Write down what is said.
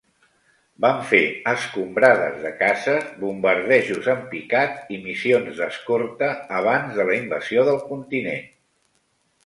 Van fer escombrades de caces, bombardejos en picat i missions d'escorta abans de la invasió del continent.